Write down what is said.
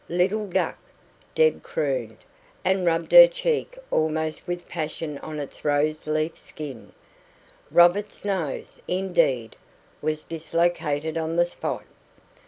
"Little duck!" Deb crooned, and rubbed her cheek almost with passion on its rose leaf skin. Robert's nose, indeed, was dislocated on the spot.